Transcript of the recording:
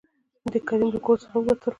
د کريم له کور څخه ووتل.